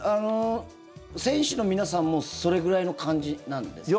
選手の皆さんもそれぐらいの感じなんですか？